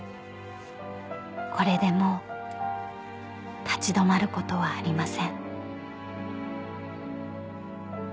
［これでもう立ち止まることはありません］